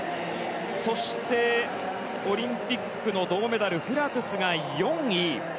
そしてオリンピックの銅メダルフラトゥスが４位。